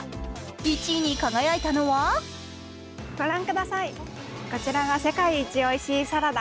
１位に輝いたのはご覧ください、こちらが世界一おいしいサラダ。